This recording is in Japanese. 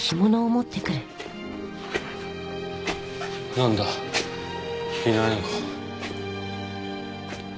なんだいないのか。